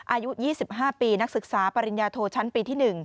อายุ๒๕ปีนักศึกษาปริญญาโทชั้นปีที่๑